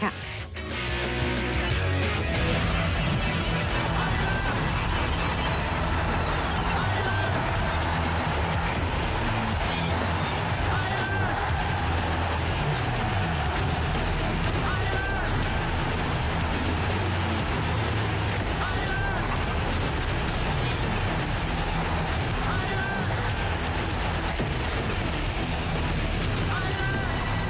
ไทรัตเชียร์ไทยแลนด์